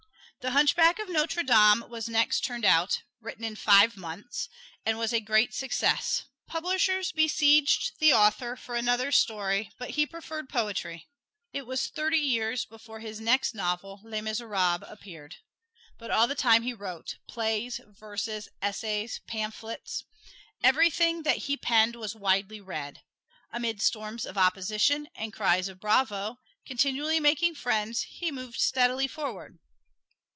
"The Hunchback of Notre Dame" was next turned out written in five months and was a great success. Publishers besieged the author for another story, but he preferred poetry. It was thirty years before his next novel, "Les Miserables," appeared. But all the time he wrote plays, verses, essays, pamphlets. Everything that he penned was widely read. Amid storms of opposition and cries of bravo, continually making friends, he moved steadily forward.